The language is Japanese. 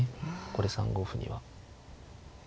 これ３五歩には。